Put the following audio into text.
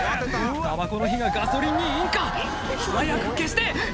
タバコの火がガソリンに引火早く消して！